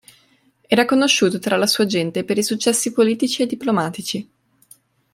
Era conosciuto tra la sua gente per i successi politici e diplomatici.